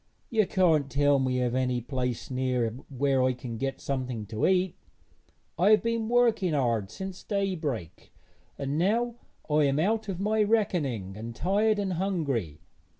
'You can't tell me of any place near where I can get something to eat? I have been working hard since daybreak, and now I am out of my reckoning, and tired and hungry.'